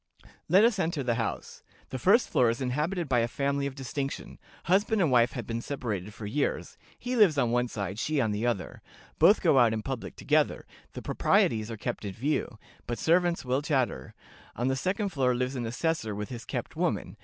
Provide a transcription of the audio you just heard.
"... Let us enter the house. The first floor is inhabited by a family of distinction; husband and wife have been separated for years; he lives on one side, she on the other; both go out in public together; the proprieties are kept in view, but servants will chatter. On the second floor lives an assessor with his kept woman.